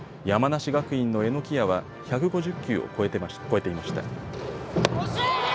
山梨学院の榎谷は１５０球を超えていました。